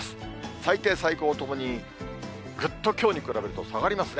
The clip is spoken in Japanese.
最低、最高ともにぐっときょうに比べると下がりますね。